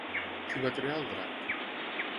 Qui va crear el drac?